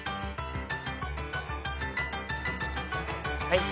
はい。